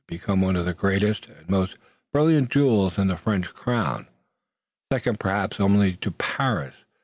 It would become one of the greatest and most brilliant jewels in the French crown, second perhaps only to Paris.